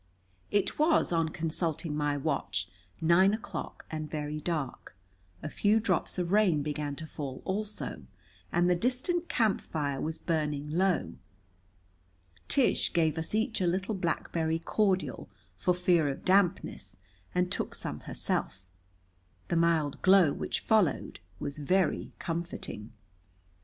It was, on consulting my watch, nine o'clock and very dark. A few drops of rain began to fall also, and the distant camp fire was burning low. Tish gave us each a little blackberry cordial, for fear of dampness, and took some herself. The mild glow which followed was very comforting.